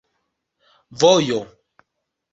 vojo